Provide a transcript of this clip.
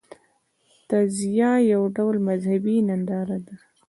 تعزیه یو ډول مذهبي ننداره ده.